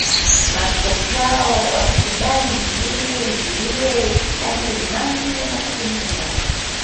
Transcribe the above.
Maaskofu hao watakubali Injili ihubiriwe kadiri ya imani ya matengenezo yao